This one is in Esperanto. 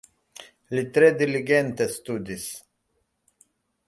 Li tre diligente studis.